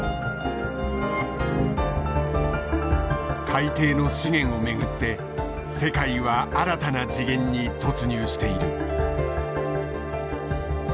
海底の資源をめぐって世界は新たな次元に突入している。